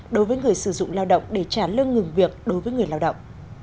đối với người sử dụng lao động để trả lương ngừng việc đối với người lao động